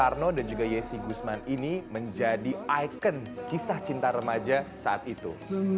karno dan juga yesi gusman ini menjadi ikon kisah cinta remaja saat itu